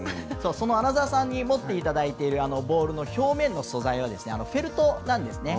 その穴澤さんに持っていただいているボールの表面の素材はフェルトなんですね。